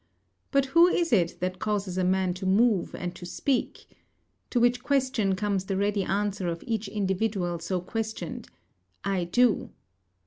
But who is it that causes a man to move and to speak? to which question comes the ready answer of each individual so questioned, 'I do.